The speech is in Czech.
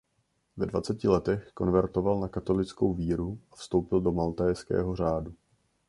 Ve dvaceti letech konvertoval na katolickou víru a vstoupil do maltézského řádu.